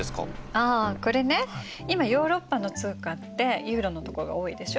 ああこれね今ヨーロッパの通貨ってユーロのとこが多いでしょ。